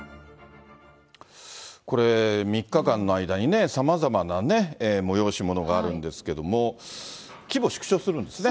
これ、３日間の間にね、さまざまな催し物があるんですけれども、規模縮小するんですね。